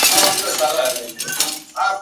پر وزر یمه ویشتلی آشیانې چي هېر مي نه کې !.